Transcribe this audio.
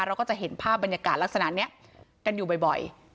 เราก็จะเห็นภาพบรรยากาศลักษณะนี้กันอยู่บ่อย